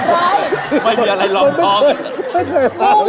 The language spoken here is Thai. ไม่มีอะไรรองท้อง